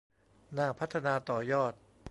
น่าพัฒนาต่อยอด